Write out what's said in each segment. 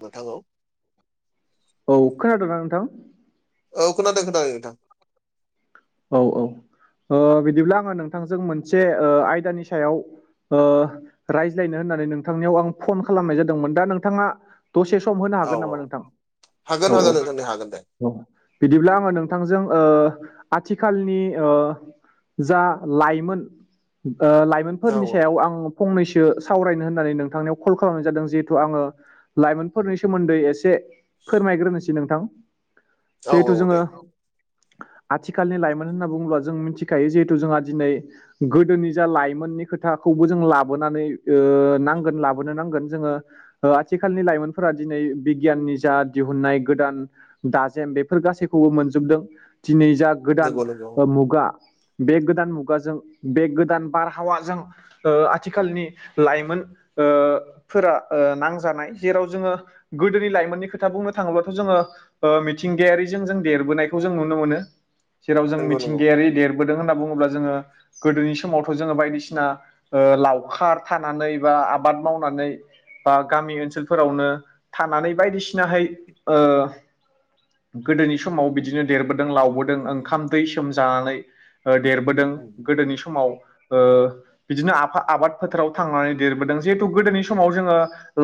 नोंथांखौ औ खोनादोंना नोंथां? औ खोनादों खोनादों नोंथां। औ औ ओ बिदिब्ला आङो नोंथांजों मोनसे ओ आयदानि सायाव ओ रायज्लायनो होननानै नोंथांनियाव आं फन खालामनाय जादोंमोन दा नोंथाङा दसे सम होनो औ हागोन औ नामा नोंथां हागोन औ औ। हागोन नोंथां दे हागोन दे औ बिदिब्ला आङो नोंथांजों ओ आथिखालनि ओ जा लाइमोन ओ लाय औ लाइफोरनि सायाव आं फंनैसो सावरायनो होननानै नोंथांनिआव कल खालामनाय जादों जिहेथु आङो लाइमोनफोरनि सोमोन्दै एसे फोरमायग्रोनोसै नोंथां औ जिहेथु औ दे जोङो आथिखालनि लाइमोन होनना बुङोब्ला जों मिथिखायो जिहेथु जोंहा दिनै गोदोनि जा लाइमोननि खोथाखौबो जों लाबोनानै नांगोन लाबोनो नांगोन जोङो आथिखालनि लाइमोनफोरा दिनै बिगियाननि जा दिहुननाय गोदान दाजेम बेफोर गासैखौबो मोनजोबदों दिनै जा गोदान नंगौ नंगौ ओ मुगा बे गोदान मुगाजों बे गोदान बारहावाजों ओ आथिखालनि लाइमोन फोरा नांजानाय जेराव जोङो गोदोनि लाइमोननि खोथा बुंनो थाङोब्लाथ' जोङो मिथिंगायारिजों जों देरबोनायखौ जों नुनो मोनो। जेराव जों नंगौ नंगौ मिथिंगायारि देरबोदों होनना बुङोब्ला जोङो गोदोनि समावथ' जोङो बायदिसिना ओ लावखार थानानै बा आबाद मावनानै बा गामि ओनसोलफोरावनो थानानै बायदिसिनाहाय ओ गोदोनि समाव बिदिनो देरबो दों लावबोदों ओंखाम दै सोमजानानै देरबोदों ओ गोदोनि समाव बिदिनो आफा आबाद फोथाराव थांनानै देरबोदों जिहेथु गोदोनि समाव जोङो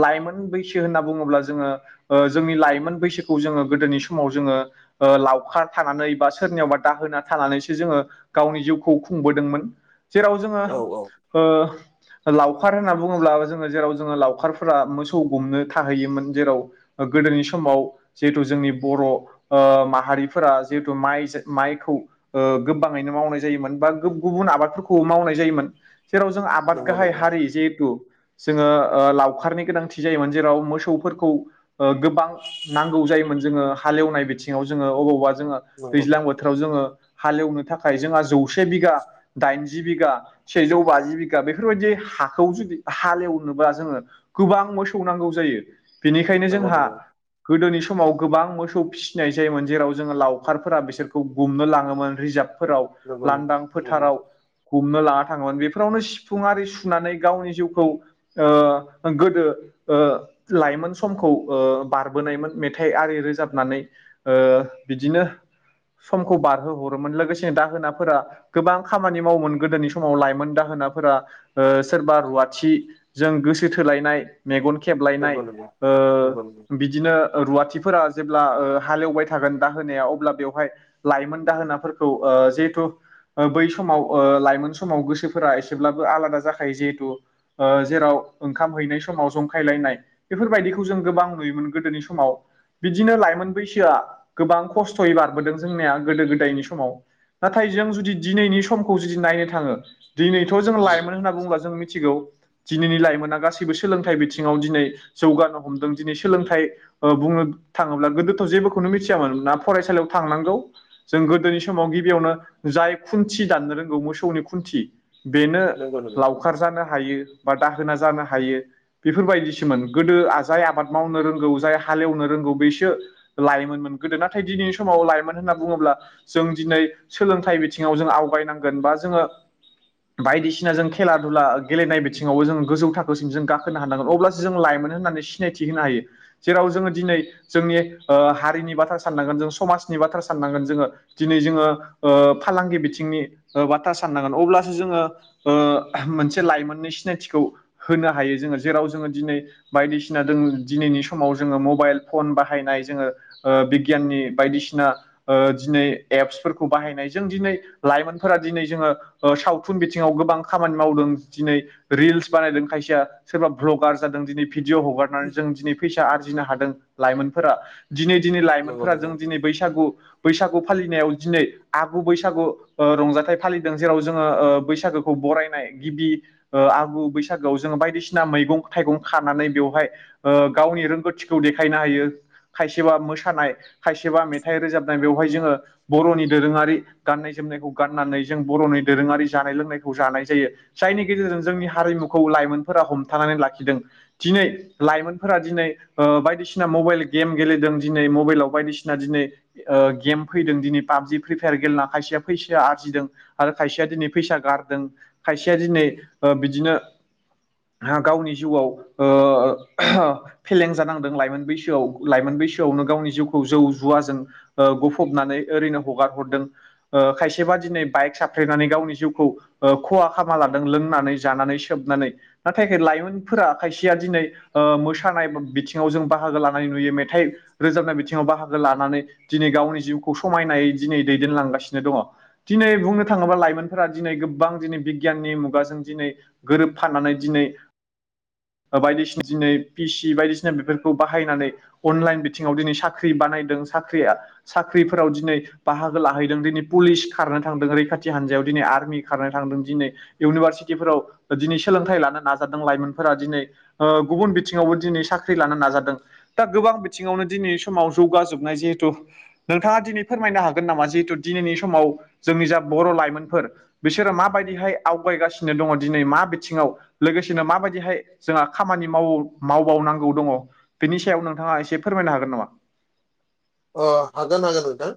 लाइमोन बैसो होनना बुङोब्ला जोङो ओ जोंनि लाइमोन बैसोखौ जोङो गोदोनि समाव जोङो ओ लावखार थानानै बा सोरनियावबा दाहोना थानानैसो जोङो गावनि जिउखौ खुंबोदोंमोन। जेराव जोङो औ औ ओ लावखार होनना बुङोब्ला जोङो जेराव जोङो लावखारफोरा मोसौ गुमनो थाहैयोमोन जेराव गोदोनि समाव जिहेथु जोंनि बर' ओ माहारि फोरा जिहेतु माइजो माइखौ ओ गोबाङैनो मावनाय जायोमोन बा गुबुन आबादफोरखौबो मावनाय जायोमोन। जेराव जों आबाद नंगौ गाहाय नंगौ हारि जिहेथु जोङो लावखारनि गोनांथि जायोमोन जेराव मोसौफोरखौ गोबां नांगौ जायोमोन जोङो हालेवनाय बिथिङाव जोङो अबावबा जोङो नंगौ दैज्लां बो बोथोराव जोङो हालेवनो थाखाय जोंहा जौसे बिघा दाइनजि बिघा सेजौ बाजि बिघा बेफोरबायदि हाखौ जुदि हालेवनोबा जोङो गोबां मोसौ नांगौ जायो। बेनिखायनो जोंहा गोदोनि समाव गोबां मोसौ फिसिनाय जायोमोन जेराव जोंङो लावखारफोरा बिसोरखौ गुमनो लाङोमोन रिजार्बफोराव नंगौ नंगौ लांदां नंगौ फोथाराव। गुमनो लाना थाङोमोन। बेफोरावनो सिफुं आरि सुनानै गावनि जिउखौ आ गोदो ओ लाइमोन समखौ ओ बारबोनायमोन मेथाइ आरि रोजाबनानै। ओ बिदिनो समखौ बारहोहरोमोन लोगोसे दाहोनाफोरा गोबां खामानि मावोमोन गोदोनि समाव लाइमोन दाहोनाफोरा ओ सोरबा रुवाथि। जों गोसो थोलायनाय मेगन खेबलायनाय नंगौ नंगौ नंगौ नंगौ बिदि बिदिनो ओ रुवाथिफोरा जेब्ला ओ हालेवबाय थागोन। दाहोनाया अब्ला बेवहाय लाइमोन दाहोनाफोरखौ ओ जिहेथु बै समाव लाइमोन समाव गोसोफोरा एसेब्लाबो आलादा जाखायो जिहेथु जेराव ओंखाम हैनाय समाव जंखायलायनाय बेफोरबायदिखौ जों गोबां नुयोमोन गोदोनि समाव बिदिनो लाइमोन बैसोआ गोबां खस्थ'यै बारबोदों जोंनिया गोदो गोदायनि समाव। नाथाय जों जुदि दिनैनि समखौ जुदि नायनो थाङो दिनैथ' जों लाइमोन होनना बुङोब्ला जों मिथिगौ। दिनैनि लाइमोना गासैबो सोलोंथाइ बिथिङाव दिनै जौगानो हमदों दिनै सोलोंथाइ बुंनो थाङोब्ला गोदोथ' जेबोखौनो मिथियामोन ना फरायसालियाव थांनांगौ जों गोदोनि समाव गिबियावनो जाय खुन्थि दाननो रोंगौ मोसौनि खुन्थि बेनो नंगौ नंगौ लावखार जानो हायो बा दाहोना जानो हायो। बेफोरबायदिसोमोन गोदो जाय आबाद मावनो रोंगौ जाय हालेवनो रोंगौ बेसो लाइोममोनमोन गोदो नाथाय दिनैनि समाव लाइमोन होनना बुङोब्ला जों दिनै सोलोंथाइ बिथिङाव जों आवगायनांगोन बा जोंङो बायदिसिना जों खेला दुला गेलेनाय बिथिङावबो जों गोजौ थाखोसिम जों गाखोनो हानांगोन अब्ला जों लाइमोन होननानै सिनायथि होनो हायो जेराव जोंङो दिनै जोंनि हारिनि बा बाथ्रा साननोन जों समाजनि बाथ्रा साननांगोन जोंङो दिनै जोंङो फालांगि बिथिंनि बाथ्रा साननांगोन अब्लासो जोंङो मोनसे लाइमोननि सिनायथिखौ होनो हायो जोंङो जेराव जोंङो दिनै बायदिसिना जों दिनैनि समाव जोंङो मबाइल फन बाहायनाय जोंङो बिगियाननि बायदिसिना दिनै एप्सफोरखौ बाहायनाय जों दिनै लाइमोनफोरा दिनै जोंङो सावथुन बिथिङाव गोबां खामानि मावदों दिनै रिल्स बानायदों खायसेया सोरबा भ्लगार जादों दिनै भिडअ हगारनानै जों दिनै फैसा आरजिनो हादों लाइमोनफोरा दिनै दिनै ला फोर नंगौ जों दिनै बैसागु बैसागु फालिनायाव दिनै आगु बैसागु ओ रंजाथाइ फालिदों जेराव जोंङो ओ बैसागो खौ बरायनाय गिबि ओ आगु बैसागोआव जोङो बायदिसिना मैगं थाइगं खानानै बेवहाय ओ गावनि रोंगौथिखौ देखायनो हायो खायसेबा मोसानाय खायसेबा मेथाइ रोजाबनाय बेवहाय जोंङो बर'नि दोरोङारि गाननाय जोमनायखौ गाननानै जों बर'नि दोरोङारि जानाय लोंनायखौ जानाय जायो जायनि गेजेरजों जोंनि हारिमुखौ लाइमोनफोरा हमथानानै लाखिदों दिनै लाइमोनफोरा दिनै ओ बायदिसिना मबाइल गेम गेलेदों दिनै मबाइलाव बायदिसिना दिनै ओ गेम फैदों दिनै पाबजि फ्रि फायार गेलेना खायसेया फैसा आरजिदों आरो खायसेया दिनै फैसा गारदों खायसेया दिनै ओ बिदिनो हा गावनि जिउआव ओ फेलें जानांदों लाइमोन बैसोआव लाइमोन बैसोआवनो गावनि जिउ खौ जौ जुवाजों ओ गफबनानै ओरैनो हगार हरदों ओ खायसेबा दिनै बाइक साफ्रेनानै गावनि जिउखौ ओ खहा खालामा लादों लोंनानै जानानै सोबनानै नाथाय खाय लाइमोनफोरा खायसेया दिनै ओ मोसानाय बा बिथिङाव जों बाहागो लानानै नुयो मेथाइ रोजाबनाय बिथिं सिङाव बाहागो लानानै दिनै गावनि जिउखौ समायनायै दिनै दैदेनलांगासिनो दङ दिनै बुंनो थाङोब्ला लाइमोनफोरा दिनै गोबां दिनै बिगियाननि मुगाजों दिनै गोरोबफाननानै दिनै ओ बायदिसिना दिनै पि सि बायदिसिना बेफोरखौ बाहायनानै अनलाइन बिथिङाव दिनै सा ख्रि बानायदों साख्रिया साख्रिफोराव दिनै बाहागो लाहैदों दिनै पुलिस खारनो थांदों रैखाथि हान्जायाव दिनै आर्मि खारनो थांदों दिनै इउनिभारसिटिफोराव ओ दिनै सोलोंथाइ लानो नाजादों लाइमोनफोरा दिनै ओ गुबुन बिथिङावबो दिनै साख्रि लानो नाजादों दा गोबां बिथिङावनो दिनै समाव जौगाजोबनाय जिहेथु नोंथाङा दिनै फोरमायनो हागोन नामा जिहेथु दिनैनि समाव जोंनि जा बर' लाइमोनफोर बिसोरो माबायदिहाय आवगायगासिनो दङ दिनै मा बिथिङाव लोगोसेनो माबायदिहाय जोंहा खामानि माव मावबावनांगौ दङ बेनि सायाव नोंथाङा एसे फोरमायनो हागोन नामा? अ हागान हागोन नोंथां।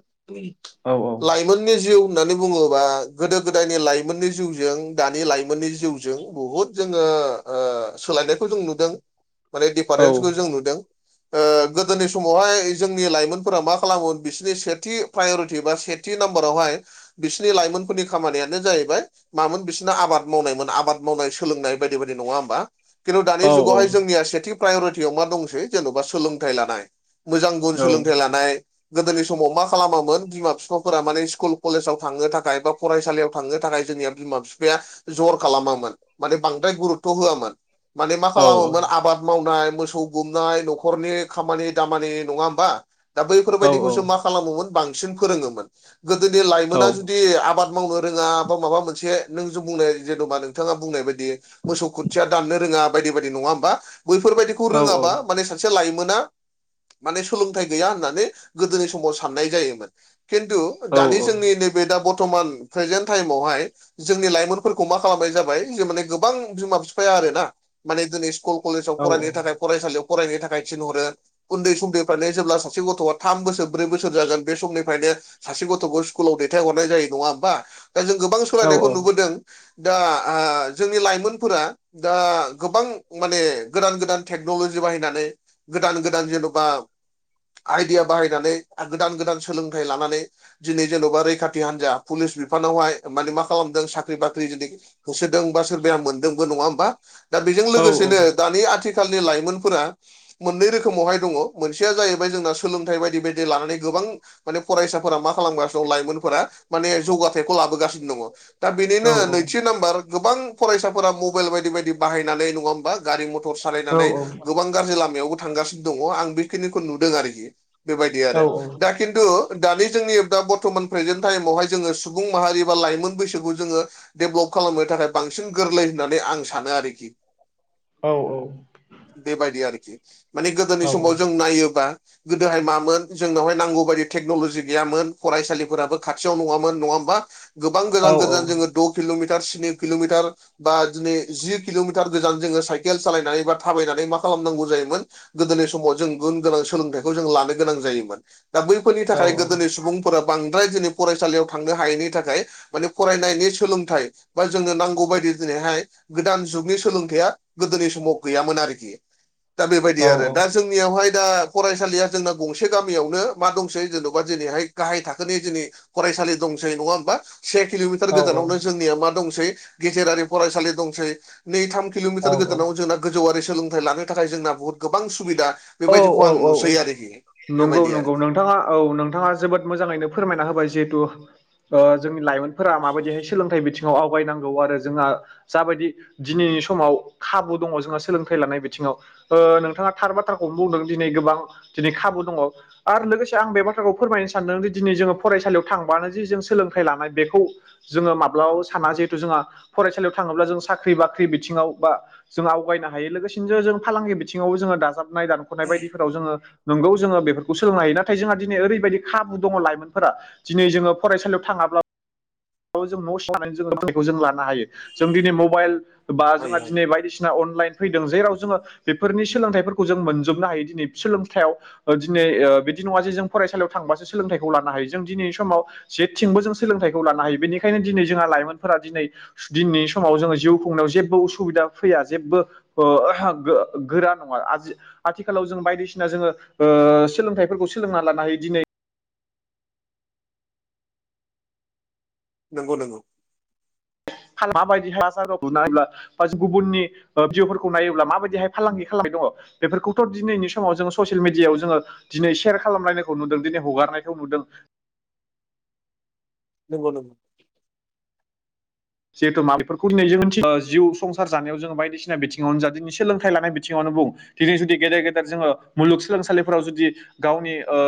औ औ। लाइमोननि जिउ होननानै बुङोबा गोदो गोदायनि लाइमोननि जिउजों दानि लाइमोननि जिउ जों बुहुद जोङो ओ सोलायनायखौ जों नुदों [inaudible] माने औ दिफारेन्सखौ जों नुदों ओ गोदोनि समावहाय जोंनि लाइमोन फोरा मा खालामोमोन बिसोरनि सेथि प्राय'रिटि बा सेथि नाम्बारावहाय बिसिनि लाइमोनफोरनि खामानियानो जाहैबाय मामोन बिसोरनो आबाद मावनायमोन आबाद मावनाय सोलोंनाय बायदि बायदि। नङा होमबा? खिन्थु दानि औ जुगावहाय जोंनिया सेथि प्राय'रिटियाव मा दंसै जेन'बा सोलोंथाइ लानाय मोजां गुन औ सोलोंथाइ लानाय गोदोनि समाव मा खालामामोन बिमा बिफाफोरा माने सिकुल कलेजाव थांनो थाखाय बा फरायसालियाव थांनो थाखाय जोंनिया बिमा बिफाया जर खालामामोन माने बांद्राय गुरुतथ' होआमोन माने मा औ खालामोमोन आबाद मावनाय मोसौ गुमनाय न'खरनि खामानि दामानि। नङा होमबा? दा औ बैफोरबायदिखौसो मा खालामोमोन बांसिन फोरोङोमोन। गोदोनि औ लाइमोना जुदि आबाद मावनो रोङा बा माबा मोनसे नों ज' बुंनाय जेेन'बा नोंथाङा बुंनाय बायदि मोसौ खुन्थिया दाननो रोङा बायदि बायदि। नङा होमबा? बैफोरबायदिखौ औ रोङाबा माने सासे लाइमोना माने सोलोंथाइ गैया होननानै गोदोनि समाव साननाय जायोमोन खिन्थु दानि जोंनि नैबे दा बरथ'मान प्रेजेन्ट टाइमावहाय जोंनि लाइमोनफोरखौ मा खालामनाय जाबाय जे माने गोबां बिमा फिफाया आरोना माने दिनै स्कुल कलेजाव फरायनो थाखाय फरायसालियाव फरायनो थाखाय थिनहरो उन्दै उन्दैफ्रानो जेब्ला सासे गथ'आ थाम बोसोर ब्रै बोसोर जागोन बे समनिफ्रायनो सासे गथ'खौ स्कुलाव दैथायहरनाय जायो नङा होमबा दा जों गोबां सोलायनायखौ नुबोदों दा जोंनि लाइमोनफोरा दा गोबां माने गोदान गोदान टेक्न'लजि बाहायनानै गोदान गोदान जेन'बा आइडिया बाहायनानै गोदान गोदान सोलोंथाइ लानानै दिनै जेन'बा रैखाथि हान्जा पुलिस बिफानावहाय माने मा खालामदों साख्रि बाख्रि जै होसोदोंबा सोरबाया मोन्दोंबो नङा होमबा दा बेजों लोगोसेनो औ दानि आथिखालनि लाइमोनफोरा मोननै रोखोमावहाय दङ मोनसेया जाहैबाय जोंना सोलोंथाइ बायदि बायदि लानानै गोबां माने फरायसाफोरा मा खालामगासिनो दं लाइमोनफोरा माने जौगाथायाइखौ लाबोगासिनो दङ दा बेनिनो नैथि नाम्बार गोबां फरायसाफोरा मबाइल बायदि बायदि बाहायनानै नङा होमबा गारि मथर र सालायनानै गोबां गाज्रि लामायावबो थांगासिनो दङ आं बेखिनिखौ नुदों आरोखि बेबायदि आरो दा खिन्थु दानि जोंनि दा बर्थमान प्रेजेन्ट टाइमावहाय जोङो सुबुं माहारि बा लाइमोन बैसोखौ जोङो डेभलप खालामनो थाखाय बांसिन गोरलै होननानै आं सानो आरोखि। औ औ बेबायदि आरोखि माने गोदोनि समाव जों नायोबा गोदोहाय मामोन जोंनावहाय नांगौ बायदि टेक्न'लजि गैयामोन फरायसालिफोराबो खाथियाव नङामोन नङा ओमबा गोबां गोजान गोजान जोङो द' किल'मिटार स्नि किल'मिटार बा दिनै जि किल'मिटार गोजान जोङो साइकेल सालायनानै बा थाबायनानै मा खालामनांगौ जायोमोन गोदोनि समाव जों गुन गोनां सोलोंथाइखौ जों लानो गोनां जायोमोन दा बैफोरनि थाखाय गोदोनि सुबुं फोरा बांद्राय दिनै फरायसालियाव थांनो हायैनि थाखाय माने फरायनायनि सोलोंथाइ बा जोंनो नांगौ बायदि दिनैहाय गोदान जुगनि सोलोंथाइया गोदोनि समाव गैयामोन आरोखि। दा बेबायदि आरो दा जोंनियावहाय दा फरायसालिया जोंना गंसे गामियावनो मा दंसै जेन'बा दिनैहाय गाहाय थाखोनि दिनै फरायसालि दंसै नङा होमबा? से किल'मिटार गोजानावनो जोंनिया मा दंसै गेजेरारि फरायसालि दंसै, नै थाम किल'मिटार गोजानाव जोंना गोजौवरि सोलोंथाइ लानो थाखाय जोंना बुहुत गोबां सुबिदा बेबायदि खौ आं औ नुसै औ आरोखि नंगौ बेबायदि आरो। नंगौ नोंथाङा औ नोंथाङा जोबोद मोजाङैनो फोरमायना होबाय जिहेथु ओ जोंनि लाइमोन फोरा माबायदिहाय सोलोंथाइ बिथिङाव आवगायनांगौ आरो जोंहा जाबायदि दिनैनि समाव खाबु दङ जोंहा सोलोंथाइ लानाय बिथिङाव ओ नोंथाङा थार बाथ्राखौनो बुंदों दिनै गोबां दिनै खाबु दङ। आरो लोगोसे आं बे बाथ्राखौ फोरमायनो सानदों दिनै जोङो फरायसालियाव थांबानो जे जों सोलोंथाइ लानाय बेखौ जोङो माब्लाबाबो साना जिहेथु जोंहा फरायसालियाव थाङोब्ला जों साख्रि बाख्रि बिथिङाव बा जों आवगायनो हायो लोगोसेनो जों फालांगि बिथिङाव जोङो दाजाबनाय दानख'नाय बायदिफोराव जोङो नोंगौ जोङो बेफोरखौ सोलोंनो हायो नाथाय जोंहा दिनै ओरैबायदि खाबु दङ लाइमोनफोरा दिनै जोङो फरायसालियाव थाङाब्ला जों न' सिंआव थानानै जोङोखौ जों लानो हायो जों दिनै मबाइल बा जोंहा हायो हायो दिनै बायदिसिना अनलाइन फैदों जेराव जोङो बेफोरनि सोलोंथाइ खौ जों मोनजोबनो हायो दिनै सोलोंथायाव दिनै ओ बिदि नङा जे जों फरायसालियाव थांबासो सोलोंथाइखौ लानो हायो जों दिनैनि समाव जेथिंबो जों सोलोंथाइखौ लानो हायो बेनिखायनो दिनै जोंहा लाइमोनफोरा दिनै दिनैनि समाव जोङो जिउ खुंनायाव जेबो उसुबिदा फैया जेबबो ओ गो-गोरा नङा आ आथिखालाव जों बायदिसिना जोङो ओ सोलोंथाइफोरखौ सोलोंना लानो हायो दिनै नोंगौ नोंगौ माबायदिहाय [unintelligible] ब्ला बा गुबुननि जिउफोरखौ नायोब्ला माबायदिहाय फालांगि खालामबाय दङ। बेफोरखौथ' दिनैनि समाव जोङो ससियेल मिडियायाव जोङो दिनै सेयार खालामनायखौ नुदों दिनै हगारनायखौ नुदों। नंगौ नंगौ जिहेथु मा बेफोरखौ दिनै जों मिथियो जिउ संसार जानायाव जोङो बायदिसिना बिथिङावनो जा दिनै सोलोंथाइ लानाय बिथिङावनो बुं दिनै जुदि गेदेर गेदेर जोङो मुलुगसोलोंसालिफोराव जुदि गावनि ओ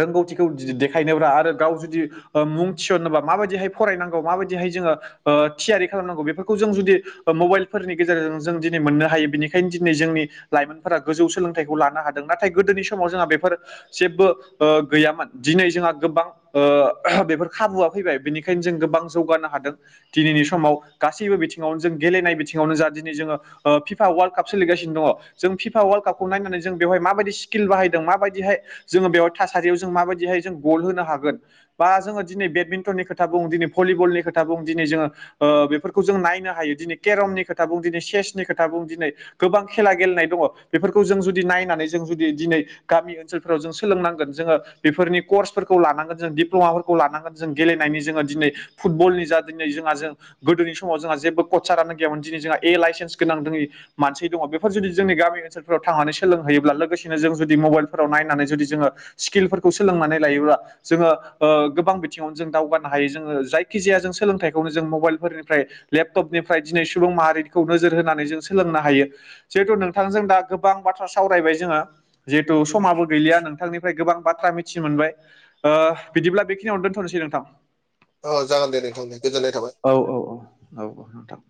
रोंगौथिखौ दि-देखायनोब्ला आरो गाव जुदि ओ मुं थिसननोबा माबायदिहाय फरायनांगौ माबायदिहाय जोङो ओ थियारि खालामनांगौ बेफोरखौ जों जुदि मबाइलफोरनि गेजेरजों जों दिनै मोननो हायो बिनिखायनो दिनै जोंनि लाइमोनफोरा गोजौ सोलोंथाइखौ लानो हादों नाथाय गोदोनि समाव जोंहा बेफोर जेबबो ओ गैयामोन दिनै जोंहा गोबां ओ बेफोर खाबुआ फैबाय बेनिखायनो जों गोबां जौगानो हादों। दिनैनि समाव गासैबो बिथिङावनो जों गेलेनाय बिथिङावनो जा दिनै जोङो ओ फिफा वालकप सोलिगानो दङ जों फिफा वालकापखौ नायनानै जों बेयावहाय माबायदि स्किल बाहायदों माबायदिहाय जोङो बेयाव थासारियाव जों माबायदिहाय जों गल होनो हागोन। बा जोंङो दिनै बेडमिन्टननि खोथा बुं दिनै भलिबलनि खोथा बुं दिनै जोंङो ओ बेफोरखौ जों नायनो हायो दिनै केरमनि खोथा बुं दिनै चेसनि खोथा बुं दिनै गोबां खेला गेलेनाय दङ बेफोरखौ जों जुदि नायनानै जों जुदि दिनै गामि ओनसोलफोराव जों सोलोंनांगोन जोंङो बेफोरनि कर्सफोरखौ लानांगोन जों दिप्ल'माफोर खौ लानांगोन जों गेलेनायनि जोंङो दिनै फुटबलनि जा दिनै जोंहा जों गोदोनि समाव जोंहा जेबो कचारानो गैयामोन दिनि जोंहा ए लाइसेन्स गोनां दोङो। मानसि दङ बेफोर जुदि जोंनि गामि ओनसोलफोराव थांनानै सोलोंहैयोब्ला लोगोसेनो जों जुदि मबाइलफोराव नायनानै जुदि जोंङो स्किलफोरखौ सोलोंनानै लायोब्ला जोंङो ओ गोबां बिथिङावनो जों दावगानो हायो जोंङो जाय खिजाया जों सोलोंथाइखौनो जों मबाइलफोरनिफ्राय लेपटपनिफ्राय दिनै सुबुं माहारिखौ नोजोर होनानै जों सोलोंनो हायो। जिहेतु नोंथांजों दा गोबां बाथ्रा सावरायबाय जोंङो जिहेतु समाबो गैलिया नोंथांनिफ्राय गोबां बाथ्रा मिथिनो मोनबाय ओ बिदिब्ला बेखिनियावनो दोन्थ'नोसै नोंथां। औ जागोन दे नोंथां दे गोजोननाय थाबाय। औ-औ-औ-औ-औ नोंथां।